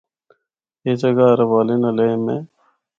اے جگہ ہر حوالے نال اہم ہے۔